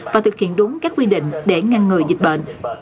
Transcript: và thực hiện đúng các quy định để ngăn ngừa dịch bệnh